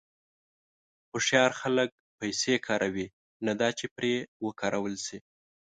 هوښیار خلک پیسې کاروي، نه دا چې پرې وکارول شي.